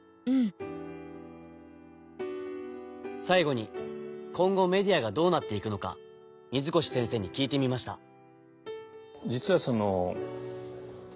最後に今後メディアがどうなっていくのか水越先生に聞いてみました。